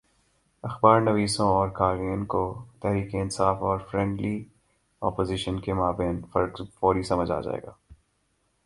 اخبارنویسوں اور قارئین کو تحریک انصاف اور فرینڈلی اپوزیشن کے مابین فرق فوری سمجھ آ جائے گا۔